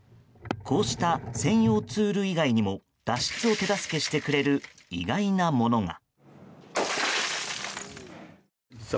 こうした専用ツール以外にも脱出を手助けしてくれる意外なものが。